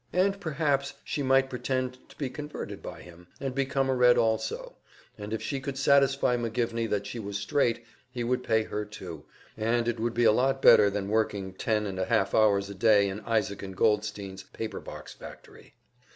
And perhaps she might pretend to be converted by him, and become a Red also, and if she could satisfy McGivney that she was straight, he would pay her too, and it would be a lot better than working ten and a half hours a day in Isaac & Goldstein's paper box factory.